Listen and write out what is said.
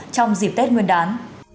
trong dịp tết nguyên đán